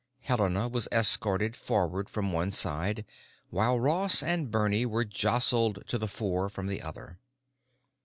Helena was escorted forward from one side, while Ross and Bernie were jostled to the fore from the other.